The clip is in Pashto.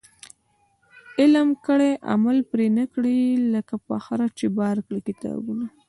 علم کړي عمل پري نه کړي ، لکه په خره چي بار کړي کتابونه